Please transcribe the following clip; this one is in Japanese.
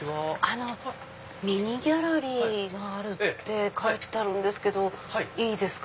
ミニ・ギャラリーがあるって書いてあるんですけどいいですか？